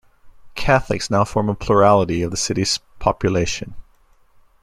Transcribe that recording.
Catholics now form a plurality of the city's population.